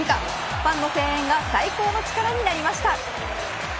ファンの声援が最高の力になりました。